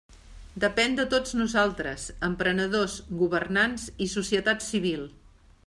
Depén de tots nosaltres, emprenedors, governants i societat civil.